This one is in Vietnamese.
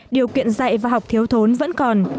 điều kiện dạy và học thiếu thốn vẫn còn